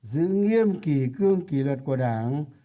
giữ nghiêm kỳ cương kỳ luật của đảng